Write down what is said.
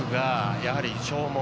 やはり消耗